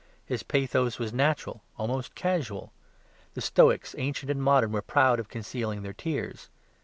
His pathos was natural, almost casual. The Stoics, ancient and modern, were proud of concealing their tears.